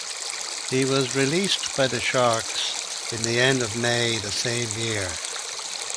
He was released by the Sharks in end of May the same year.